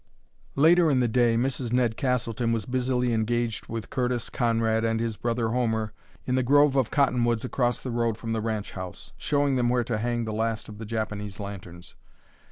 Later in the day Mrs. Ned Castleton was busily engaged with Curtis Conrad and his brother Homer in the grove of cottonwoods across the road from the ranch house, showing them where to hang the last of the Japanese lanterns.